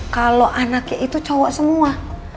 kalau anaknya itu cowok semua